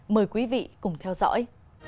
mời quý vị cùng theo dõi